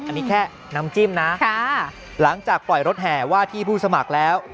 อันนี้แค่น้ำจิ้มนะหลังจากปล่อยรถแห่ว่าที่ผู้สมัครแล้ว